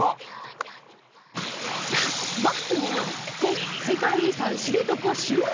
さあバスに乗って世界遺産知床修学旅行